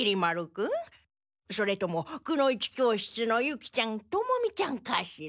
それともくの一教室のユキちゃんトモミちゃんかしら？